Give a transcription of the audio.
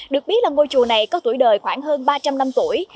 được biết là ngôi chùa này có tuổi đời khoảng hơn ba trăm linh năm tuổi